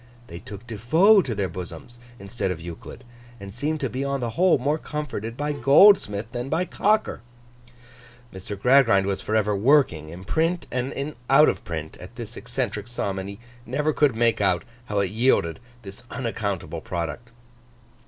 They took De Foe to their bosoms, instead of Euclid, and seemed to be on the whole more comforted by Goldsmith than by Cocker. Mr. Gradgrind was for ever working, in print and out of print, at this eccentric sum, and he never could make out how it yielded this unaccountable product.